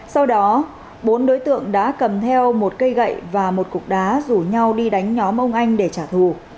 sau đó bốn đối tượng đã cầm theo một cây gậy và một cục đá rủ nhau đi đánh nhóm ông anh để trả thù